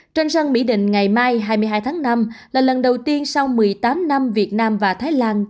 trên sân mỹ đình ngày mai hai mươi hai tháng năm là lần đầu tiên sau một mươi tám năm việt nam và thái lan